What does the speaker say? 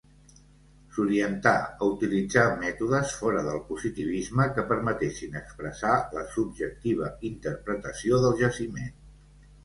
S'orientà a utilitzar mètodes fora del positivisme que permetessin expressar la subjectiva interpretació del jaciment.